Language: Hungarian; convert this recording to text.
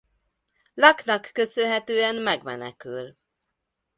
Locke-nak köszönhetően megmenekül.